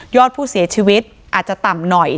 อดผู้เสียชีวิตอาจจะต่ำหน่อย